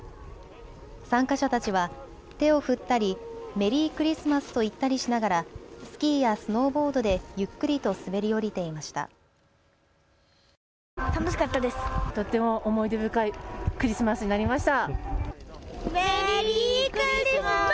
参加者たちは手を振ったり、メリークリスマスと言ったりしながらスキーやスノーボードでゆっくりと滑り降りていました。